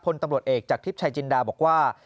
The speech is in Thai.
พลตำรวจเอกจากทิพย์ชายจินดาบอกว่า